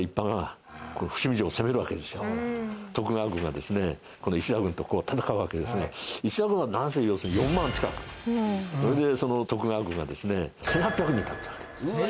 徳川軍がですね今度石田軍と戦うわけですが石田軍はなんせ要するに４万近くそれで徳川軍がですね１８００人だったわけです。